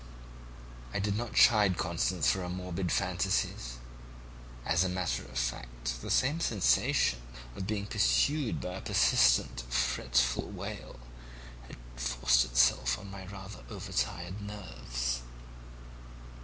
"I did not chide Constance for her morbid fancies; as a matter of fact the same sensation, of being pursued by a persistent fretful wail, had been forcing itself on my rather over tired nerves.